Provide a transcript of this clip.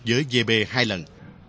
với giê bê hai lần